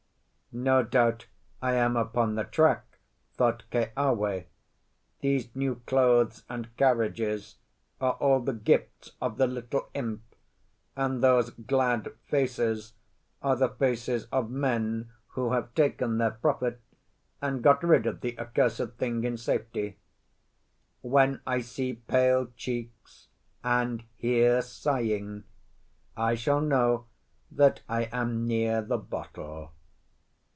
"No doubt I am upon the track," thought Keawe. "These new clothes and carriages are all the gifts of the little imp, and these glad faces are the faces of men who have taken their profit and got rid of the accursed thing in safety. When I see pale cheeks and hear sighing, I shall know that I am near the bottle."